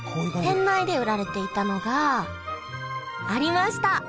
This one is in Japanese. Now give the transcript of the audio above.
店内で売られていたのがありました！